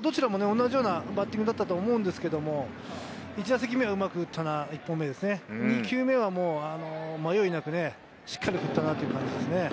どちらも同じようなバッティングだったと思うんですけれど、１本目はうまく打ったな、２球目は迷いなくしっかり打ったなという感じですね。